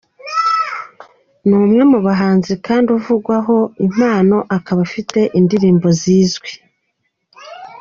Ni umwe mu bahanzi kandi uvugwaho impano akaba afite indirimbo zizwi.